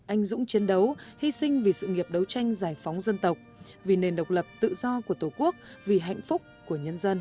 anh dũng chiến đấu hy sinh vì sự nghiệp đấu tranh giải phóng dân tộc vì nền độc lập tự do của tổ quốc vì hạnh phúc của nhân dân